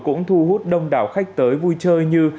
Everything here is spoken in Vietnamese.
cũng thu hút đông đảo khách tới vui chơi như